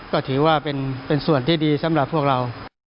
ก็ถือว่าเป็นส่วนที่ดีสำหรับพวกเรา